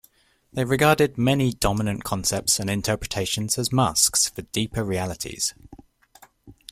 They regarded many dominant concepts and interpretations as masks for deeper realities.